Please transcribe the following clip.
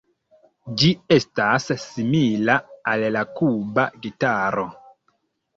Ĝi estas simila al la Kuba gitaro.